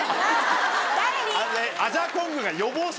誰に？